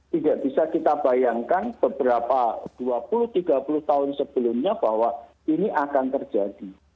tidak bisa kita bayangkan beberapa dua puluh tiga puluh tahun sebelumnya bahwa ini akan terjadi